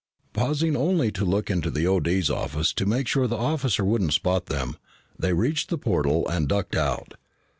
Pausing only to look into the O.D.'s office to make sure the officer wouldn't spot them, they reached the portal and ducked out.